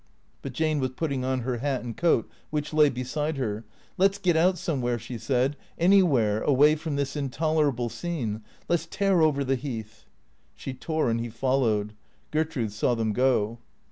But Jane was putting on her hat and coat which lay beside her. " Let 's get out somewhere," she said, " anywhere away from this intolerable scene. Let 's tear over the Heath." She tore and he followed. Gertrude saw them go.